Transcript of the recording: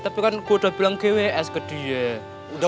tapi kan gue udah bilang ke ws ke dia